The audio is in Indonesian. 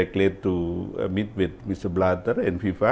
untuk bertemu dengan mr blatter dan fifa